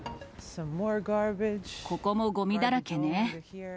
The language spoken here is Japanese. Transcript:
ここもごみだらけね。